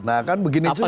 nah kan begini juga